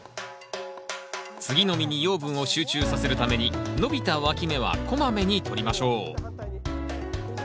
次の実に養分を集中させるために伸びたわき芽はこまめにとりましょう。